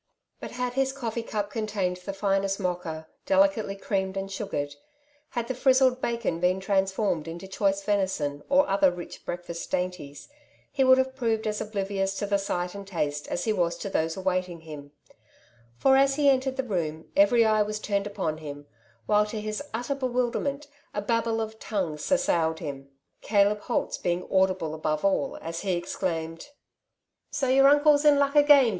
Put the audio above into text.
^^ But had his coffee cup contained the finest Mocha, delicately creamed and sugared, had the frizzled bacon been transformed into choice venison, or other rich breakfast dainties, he would have proved as oblivious to the sight and taste as he was to those awaiting him ; for, as he entered the room, every eye was turned upon him, while, to his utter bewilder ment, a babble of tongues assailed him, Caleb Holt^s being audible above all, as he exclaimed,— '* So your uncle's in luck again.